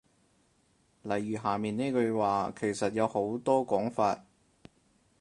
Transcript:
例如下面呢句話其實有好多講法